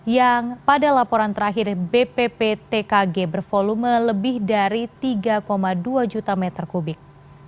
yang pada laporan terakhir bpptkg bervolumen lebih dari tiga dua juta meter kubik